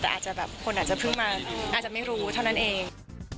แต่อาจจะแบบคนอาจจะเพิ่งมาอาจจะไม่รู้เท่านั้นเอง